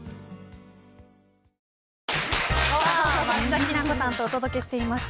抹茶きな子さんとお届けしています